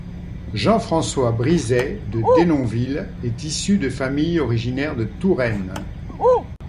Jean-François Brizay de Denonville est issu de famille originaire de Touraine.